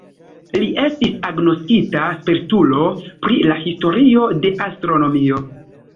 Li estis agnoskita spertulo pri la historio de astronomio.